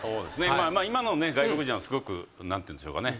今の外国人はすごく何ていうんでしょうかね。